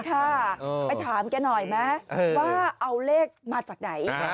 ค่ะไปถามแกหน่อยไหมว่าเอาเลขมาจากไหน